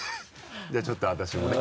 じゃあちょっと私もね。